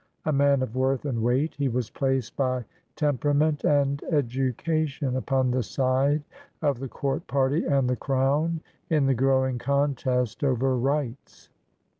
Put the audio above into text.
A man of worth and weight, he was placed by temperament and education upon the side of the court party and the Crown in the growing contest over rights.